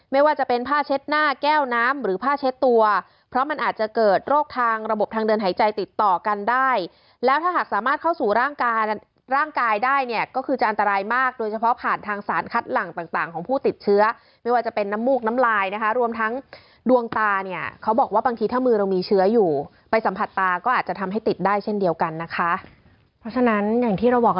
ไม่ว่าจะเป็นผ้าเช็ดหน้าแก้วน้ำหรือผ้าเช็ดตัวเพราะมันอาจจะเกิดโรคทางระบบทางเดินหายใจติดต่อกันได้แล้วถ้าหากสามารถเข้าสู่ร่างกายได้เนี่ยก็คือจะอันตรายมากโดยเฉพาะผ่านทางสารคัดหลังต่างของผู้ติดเชื้อไม่ว่าจะเป็นน้ำมูกน้ำลายนะคะรวมทั้งดวงตาเนี่ยเขาบอกว่าบางทีถ้ามือเรามีเชื้